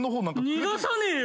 逃がさねえよ！